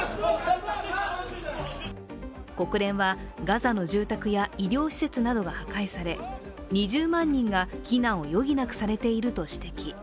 国連はガザの住宅や医療施設などが破壊され２０万人が避難を余儀なくされていると指摘。